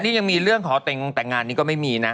นี่ยังมีเรื่องขอแต่งงแต่งงานนี้ก็ไม่มีนะ